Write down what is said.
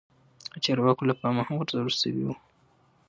او چارواکو له پا مه هم غور ځول شوي وه